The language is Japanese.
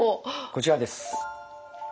こちらです。